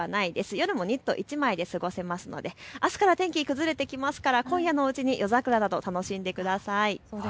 夜もニット１枚で過ごせますので、あすから天気崩れていきますから今夜のうちに夜桜など楽しんでください。